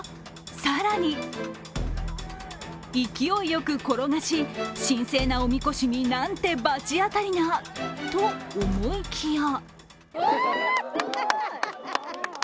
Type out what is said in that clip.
更に勢いよく転がし、神聖なおみこしになんて罰当たりなと思いきや。